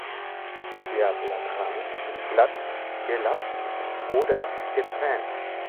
Der Blattrand ist glatt, gelappt oder gezähnt.